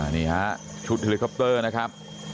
นี่ฮะชุดเฮลิคอปเตอร์นะครับ